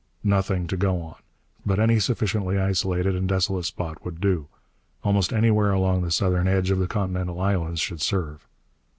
Nothing to go on. But any sufficiently isolated and desolate spot would do. Almost anywhere along the southern edge of the continental islands should serve.